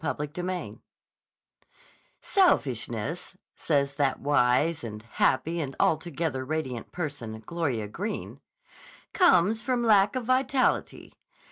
CHAPTER VIII SELFISHNESS," says that wise and happy and altogether radiant person, Gloria Greene, "comes from lack of vitality.